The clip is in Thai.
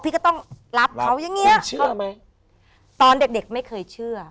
พี่ก็ต้องรับเขาอย่างเงี้ยเชื่อไหมตอนเด็กเด็กไม่เคยเชื่อ